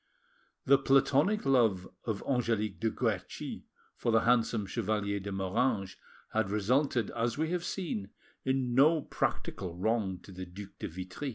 The platonic love of Angelique de Guerchi for the handsome Chevalier de Moranges had resulted, as we have seen, in no practical wrong to the Duc de Vitry.